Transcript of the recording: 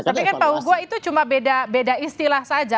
tapi kan pak hugo itu cuma beda istilah saja